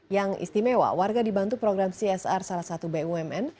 yang istimewa warga dibantu program csr salah satu bumn